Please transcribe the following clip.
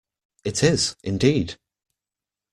It is, indeed!